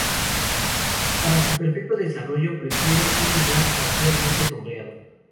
Para su perfecto desarrollo prefiere un lugar parcialmente sombreado.